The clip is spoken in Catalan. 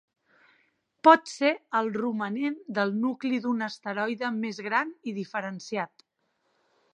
Pot ser el romanent del nucli d'un asteroide més gran i diferenciat.